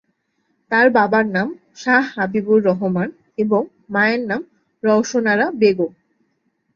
তার বাবার নাম শাহ্ হাবিবুর রহমান এবং মায়ের নাম রওশন আরা বেগম।